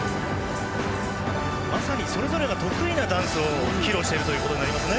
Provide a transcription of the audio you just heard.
まさにそれぞれが得意なダンスを披露しているということになりますね。